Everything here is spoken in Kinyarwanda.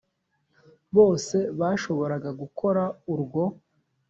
bose bashoboraga gukora urwo